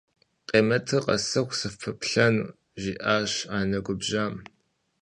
- Къемэтыр къэсыху сыныфпэплъэну? - жиӏащ анэ губжьам.